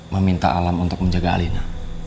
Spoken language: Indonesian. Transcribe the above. meminta alam untuk menjaga alina